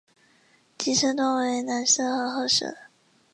体色多为蓝色和褐色。